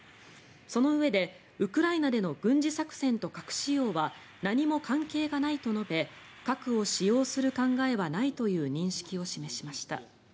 そのうえで、ウクライナでの軍事作戦と核使用は何も関係がないと述べ核を使用する考えはないという認識を示しました。